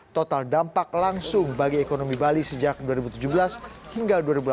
total dampak langsung bagi ekonomi bali sejak dua ribu tujuh belas hingga dua ribu delapan belas